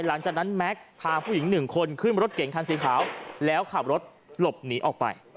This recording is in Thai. หลังจากนั้นแม็กซ์พาผู้หญิงหนึ่งคนขึ้นรถเกร็งทางสีขาวแล้วขับรถหลบหนีออกไป